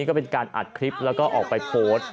ก็เป็นการอัดคลิปแล้วก็ออกไปโพสต์